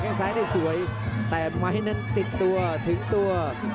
งซ้ายได้สวยแต่ไม้นั้นติดตัวถึงตัว